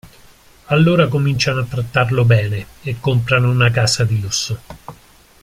Allora cominciano a trattarlo bene e comprano una casa di lusso.